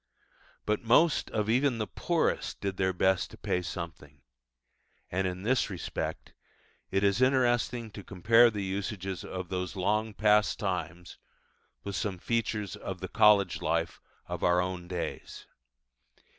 But most of even the poorest did their best to pay something; and in this respect it is interesting to compare the usages of those long past times with some features of the college life of our own days.